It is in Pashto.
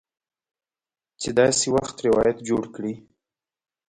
چې داسې روایت جوړ کړي